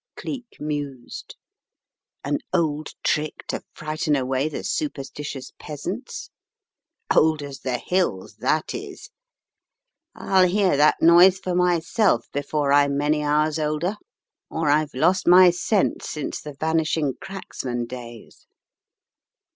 " Cleek mused. "An old trick to frighten away the superstitious peasants? Old as the hills, that is. I'll hear that noise for myself before I'm many hours older, or 101 102 The Riddle of the Purple Emperor I've lost my sense since the Vanishing Cracksman days."